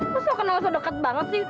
lu sekenal se deket banget sih